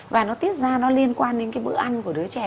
và nó tiết ra nó liên quan đến cái bữa ăn của đứa trẻ